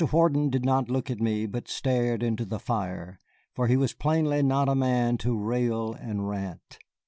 Wharton did not look at me, but stared into the fire, for he was plainly not a man to rail and rant.